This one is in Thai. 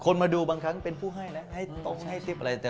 มาดูบางครั้งเป็นผู้ให้นะให้ตรงให้ซิปอะไร